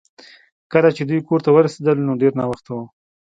کله چې دوی کور ته ورسیدل نو ډیر ناوخته و